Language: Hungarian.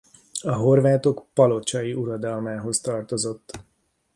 A Horvátok palocsai uradalmához tartozott.